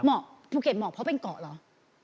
ภูเก็ตเหมาะเพราะเป็นเกาะเหรอ